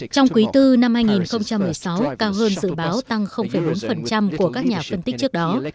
trong quý bốn năm hai nghìn một mươi sáu cao hơn dự báo tăng bốn của các nhà phân tích trước đó